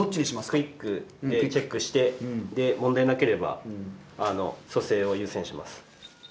クイックでチェックしてで問題なければ蘇生を優先します。